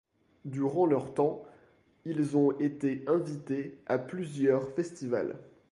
Durant leur temps, ils ont été invités à plusieurs festivals.